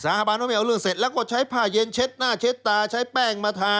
สาบานว่าไม่เอาเรื่องเสร็จแล้วก็ใช้ผ้าเย็นเช็ดหน้าเช็ดตาใช้แป้งมาทา